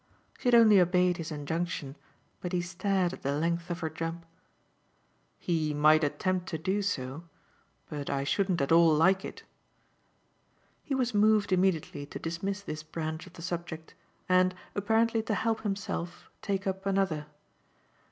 She had only obeyed his injunction, but he stared at the length of her jump. "He might attempt to do so, but I shouldn't at all like it." He was moved immediately to dismiss this branch of the subject and, apparently to help himself, take up another.